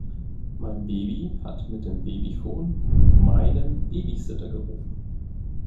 Mein Baby hat mit dem Babyphon meinen Babysitter gerufen.